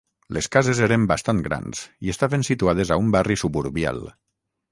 Les cases eren bastant grans i estaven situades a un barri suburbial.